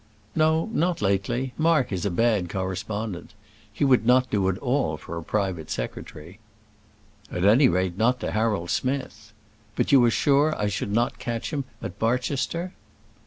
"No; not lately. Mark is a bad correspondent. He would not do at all for a private secretary." "At any rate, not to Harold Smith. But you are sure I should not catch him at Barchester?"